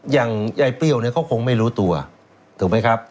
อย่างยายเปรี้ยวเนี่ยเขาคงไม่รู้ตัวถูกไหมครับ